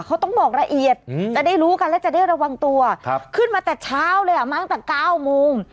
เขาต้องบอกละเอียดจะได้รู้กันและจะได้ระวังตัวขึ้นมาแต่เช้าเลยอ่ะมาตั้งแต่๙โมง